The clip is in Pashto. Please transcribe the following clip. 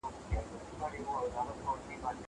زه بايد ونې ته اوبه ورکړم!